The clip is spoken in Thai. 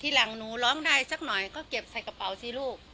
หลังหนูร้องได้สักหน่อยก็เก็บใส่กระเป๋าสิลูก